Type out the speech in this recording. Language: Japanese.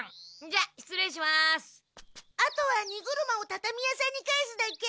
あとは荷車をたたみ屋さんに返すだけ？